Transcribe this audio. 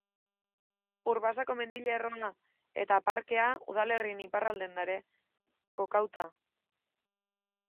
Urbasako mendilerroa eta parkea udalerriaren iparraldean daude kokaturik.